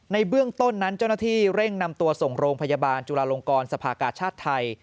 ในเบื้องต้นนั้นเจ้าหน้าที่เร่งนำตัวส่งโรงพยาบาลจุลาลงกรสภากาชาติไทย